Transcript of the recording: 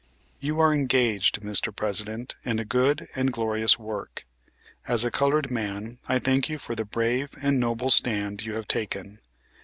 You are engaged, Mr. President, in a good and glorious work. As a colored man I thank you for the brave and noble stand you have taken.